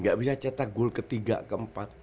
gak bisa cetak goal ke tiga ke empat